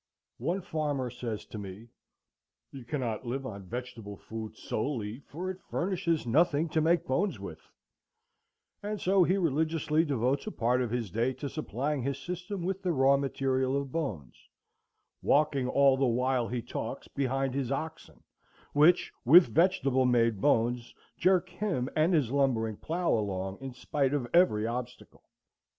One farmer says to me, "You cannot live on vegetable food solely, for it furnishes nothing to make bones with;" and so he religiously devotes a part of his day to supplying his system with the raw material of bones; walking all the while he talks behind his oxen, which, with vegetable made bones, jerk him and his lumbering plough along in spite of every obstacle.